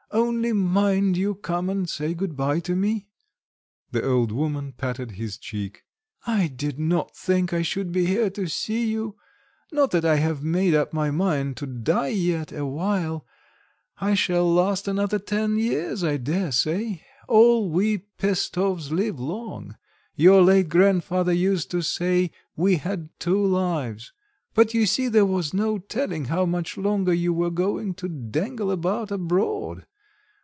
Only mind you come and say good bye to me." The old woman patted his cheek. "I did not think I should be here to see you; not that I have made up my mind to die yet a while I shall last another ten years, I daresay: all we Pestovs live long; your late grandfather used to say we had two lives; but you see there was no telling how much longer you were going to dangle about abroad.